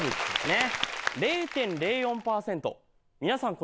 ０．０４％皆さん